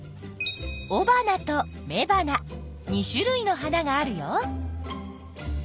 おばなとめばな２種類の花があるよ。